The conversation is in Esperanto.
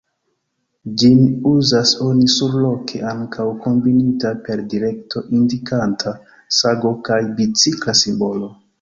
Ĝin uzas oni surloke ankaŭ kombinita per direkto-indikanta sago kaj bicikla simbolo.